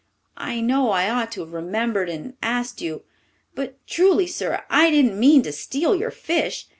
I know I ought to have remembered and asked you, but truly, sir, I didn't mean to steal your fish.